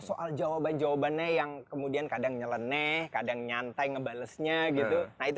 soal jawaban jawabannya yang kemudian kadang nyeleneh kadang nyantai ngebalesnya gitu nah itu